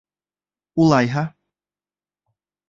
Улайһа...